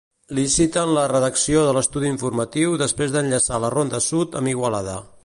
Liciten la redacció de l'estudi informatiu després d'enllaçar la Ronda Sud amb Igualada.